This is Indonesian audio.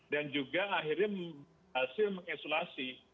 dan juga akhirnya hasil mengesulasi